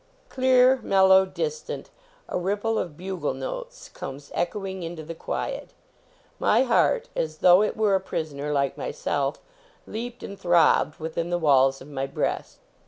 Clear, mellow, distant, a ripple of bugle notes comes echoing into the quiet. My heart, as though it were a prisoner like my self, leaped and throbbed within the walls of my breast.